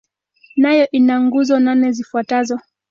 Nayo ina nguzo nane zifuatazo.